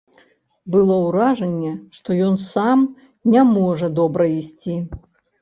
Было ўражанне, што ён сам не можа добра ісці.